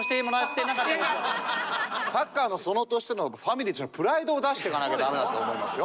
「サッカーの園」としてのファミリーとしてのプライドを出していかなきゃ駄目だと思いますよ。